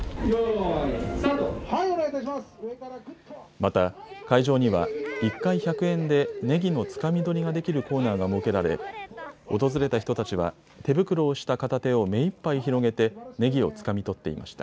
また会場には１回１００円でねぎのつかみ取りができるコーナーが設けられ訪れた人たちは手袋をした片手を目いっぱい広げてねぎをつかみ取っていました。